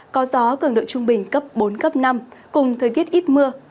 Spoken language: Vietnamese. có gió cường độ trung bình cấp bốn cấp năm cùng thời tiết ít mưa